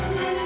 tidak ada r